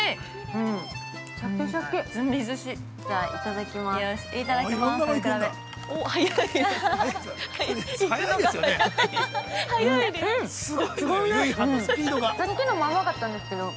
◆さっきのも甘かったんですけど。